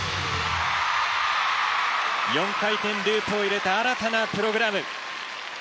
４回転ループを入れた新たなプログラム！